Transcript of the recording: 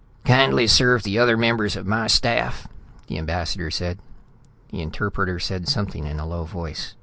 "Kindly serve the other members of my staff," the ambassador said. The interpreter said something in a low voice.